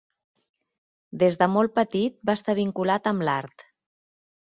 Des de molt petit va estar vinculat amb l'art.